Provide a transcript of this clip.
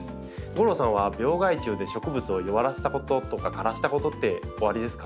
吾郎さんは病害虫で植物を弱らせたこととか枯らしたことっておありですか？